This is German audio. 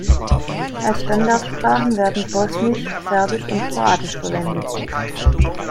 Als Standardsprachen werden Bosnisch, Serbisch und Kroatisch verwendet.